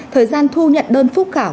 thời gian thu nhận đơn phúc khảo